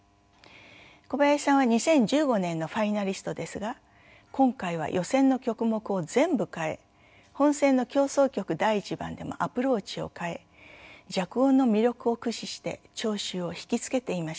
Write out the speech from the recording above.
小林さんは２０１５年のファイナリストですが今回は予選の曲目を全部変え本選の「協奏曲第１番」でもアプローチを変え弱音の魅力を駆使して聴衆を引き付けていました。